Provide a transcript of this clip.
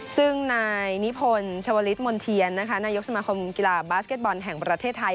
ซึ่งนายนิพนธ์ชวลิศมนเทียนนายกสมาคมกีฬาบาสเก็ตบอลแห่งประเทศไทย